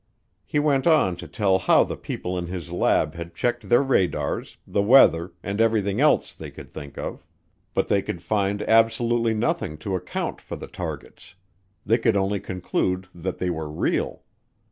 He went on to tell how the people in his lab had checked their radars, the weather, and everything else they could think of, but they could find absolutely nothing to account for the targets; they could only conclude that they were real.